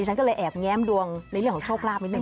ฉันก็เลยแอบแง้มดวงในเรื่องของโชคลาภนิดนึ